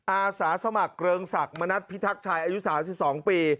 อาสาสมัครเกริงศักดิ์มณัฐพิทักษ์ชัยอายุ๓๒ปี